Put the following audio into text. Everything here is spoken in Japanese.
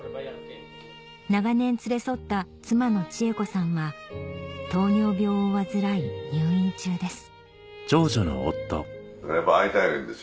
長年連れ添った妻の智恵子さんは糖尿病を患い入院中です